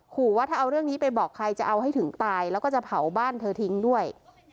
ว่าถ้าเอาเรื่องนี้ไปบอกใครจะเอาให้ถึงตายแล้วก็จะเผาบ้านเธอทิ้งด้วย